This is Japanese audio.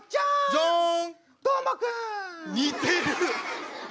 ジャン！